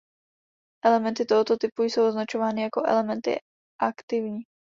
Elementy tohoto typu jsou označovány jako elementy ""aktivní"".